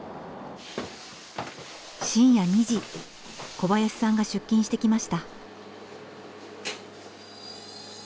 深夜２時小林さんが出勤してきました。